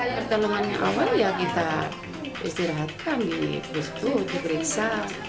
pertolongan yang awal ya kita istirahatkan di pusku diperiksa